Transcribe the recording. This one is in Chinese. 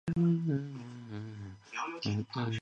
无卡支付是一种银行卡交易类型。